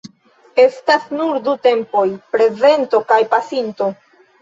Estas nur du tempoj: prezento kaj pasinto.